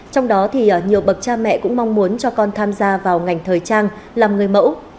trong đó thì nhiều bậc cha mẹ cũng mong muốn cho con tham gia vào ngành thời trang làm người mẫu